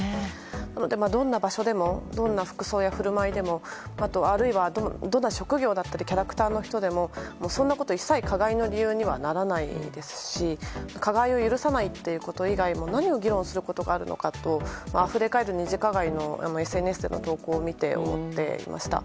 どんな場所でもどんな服装や振る舞いでもあるいは、どんな職業だったりキャラクターの人でもそんなことは一切加害の理由にはならないですし加害を許さないということ以外何を議論することがあるのかとあふれ返る二次加害のＳＮＳでの投稿を見て思っていました。